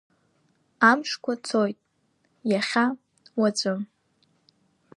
Амшқәа цоит, иахьа, уаҵәы…